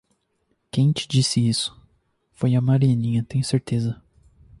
Quem te disse isso? Foi a Marianinha, tenho certeza.